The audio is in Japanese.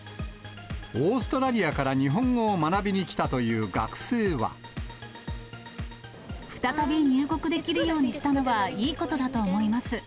オーストラリアから日本語を再び入国できるようにしたのはいいことだと思います。